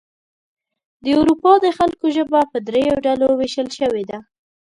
د اروپا د خلکو ژبه په دریو ډلو ویشل شوې ده.